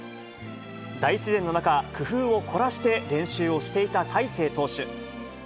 大自然の中、工夫を凝らして練習をしていた大勢投手。